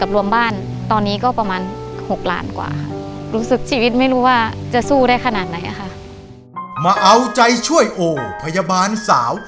รู้สึกชีวิตไม่รู้ว่าจะสู้ได้ขนาดไหนอ่ะค่ะมาเอาใจช่วยโอพยาบาลสาว